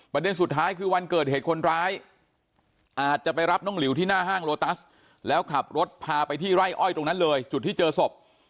สุดท้ายคือวันเกิดเหตุคนร้ายอาจจะไปรับน้องหลิวที่หน้าห้างโลตัสแล้วขับรถพาไปที่ไร่อ้อยตรงนั้นเลยจุดที่เจอศพ